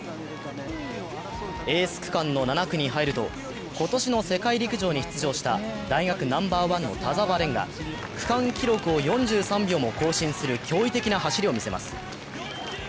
エース区間の７区に入ると今年の世界陸上に出場した大学ナンバーワンの田澤廉が区間記録を４３秒も更新する驚異的な走りを見せます。